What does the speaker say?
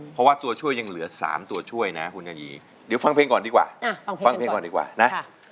เพราะว่าตัวช่วยยังเหลือ๓ตัวช่วยนะคุณยายีเดี๋ยวฟังเพลงก่อนดีกว่าฟังเพลงก่อนดีกว่านะ